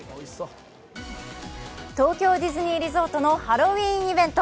東京ディズニーリゾートのハロウィーンイベント。